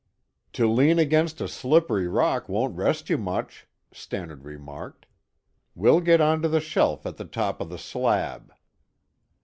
"To lean against a slippery rock won't rest you much," Stannard remarked. "We'll get on to the shelf at the top of the slab."